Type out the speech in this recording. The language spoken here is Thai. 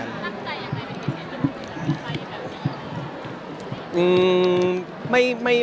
ตั้งใจยังไม่เป็นอย่างนี้จะไปแบบนี้